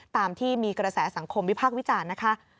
ตามที่มีกระแสสังคมวิพากษ์วิจารณ์นะคะ